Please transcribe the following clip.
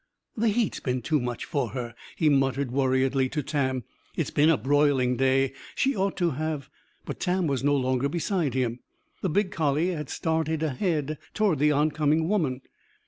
"The heat's been too much for her!" he muttered worriedly to Tam. "It's been a broiling day. She ought to have " But Tam was no longer beside him. The big collie had started ahead, toward the oncoming woman.